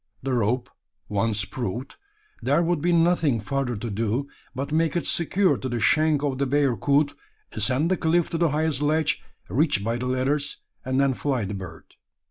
The rope once proved, there would be nothing further to do, but make it secure to the shank of the bearcoot; ascend the cliff to the highest ledge, reached by the ladders; and then fly the bird.